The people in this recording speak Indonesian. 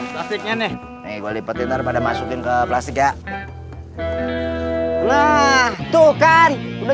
plastiknya nih nih boleh petir pada masukin ke plastik ya nah tuh kan udah